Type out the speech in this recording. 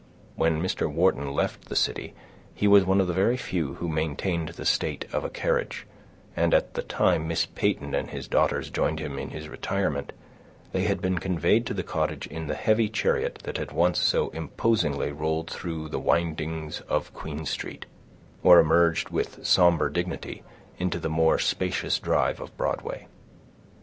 When Mr. Wharton left the city, he was one of the very few who maintained the state of a carriage; and, at the time Miss Peyton and his daughters joined him in his retirement, they had been conveyed to the cottage in the heavy chariot that had once so imposingly rolled through the windings of Queen Street, or emerged, with somber dignity, into the more spacious drive of Broadway.